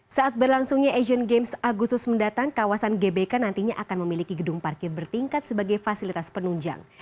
saat berlangsungnya asian games agustus mendatang kawasan gbk nantinya akan memiliki gedung parkir bertingkat sebagai fasilitas penunjang